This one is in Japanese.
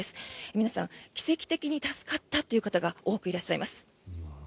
皆さん奇跡的に助かったという方が多くいらっしゃいます。